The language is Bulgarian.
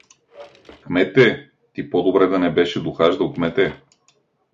— Кмете, ти по-добре да не беше дохаждал, кмете!